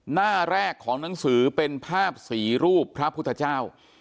หน้าแรกของหนังสือเป็นภาพสีรูปพระพุทธเจ้า